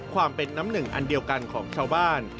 ความเป็นน้ำหนึ่งอันเดียวกันของชาวบ้าน